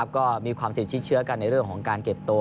ก็มีความสิทธิเชื้อกันในเรื่องของการเก็บตัว